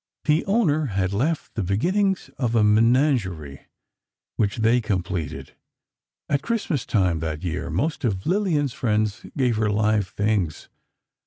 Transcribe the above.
The owner had left the beginnings of a menagerie, which they completed. At Christmas time that year, most of Lillian's friends gave her live things.